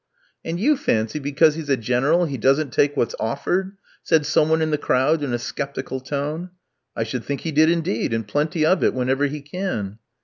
"And you fancy because he's a General he doesn't take what's offered?" said some one in the crowd in a sceptical tone. "I should think he did indeed, and plenty of it whenever he can."